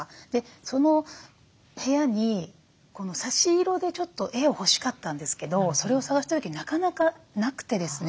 その部屋に差し色でちょっと絵を欲しかったんですけどそれを探した時になかなかなくてですね。